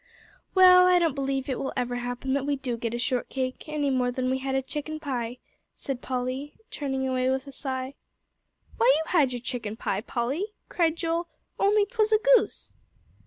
"Well, I don't b'lieve it will ever happen that we do get a shortcake, any more than we had a chicken pie," said Polly, turning away with a sigh. "Why, you had your chicken pie, Polly," cried Joel, "only 'twas a goose."